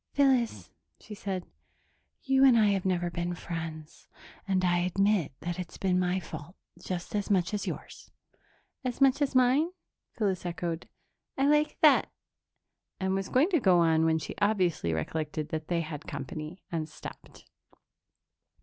"Phyllis," she said, "you and I have never been friends and I admit that it's been my fault just as much as yours." "As much as mine?" Phyllis echoed. "I like that " and was going to go on when she obviously recollected that they had company, and stopped.